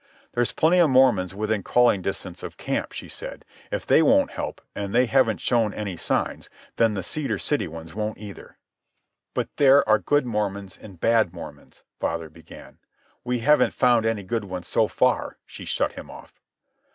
"There's plenty of Mormons within calling distance of camp," she said. "If they won't help, and they haven't shown any signs, then the Cedar City ones won't either." "But there are good Mormons and bad Mormons—" father began. "We haven't found any good ones so far," she shut him off.